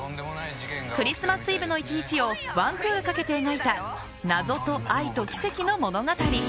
クリスマスイブの１日を１クールかけて描いた謎と愛と奇跡の物語。